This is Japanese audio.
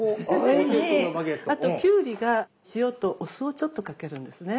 あときゅうりが塩とお酢をちょっとかけるんですね。